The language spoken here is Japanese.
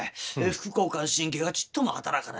副交感神経がちっとも働かないよ。